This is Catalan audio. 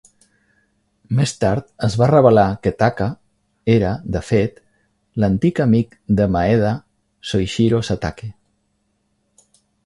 Més tard es va revelar que Taka era, de fet, l'antic amic de Maeda, Soishiro Satake.